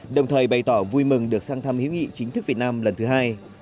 đồng thời bày tỏ vui mừng được sang thăm hữu nghị chính thức việt nam lần thứ hai